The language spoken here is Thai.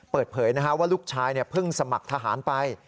เปิดเผยว่าลูกชายเพิ่งสมัครทหารไป